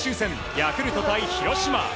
ヤクルト対広島。